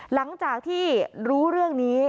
หลังจากที่รู้เรื่องนี้